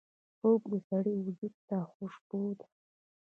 خوب د سړي وجود ته خوشبو ده